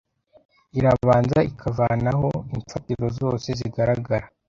irabanza ikavanaho imfatiro zose zigaragara